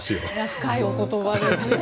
深い言葉ですね。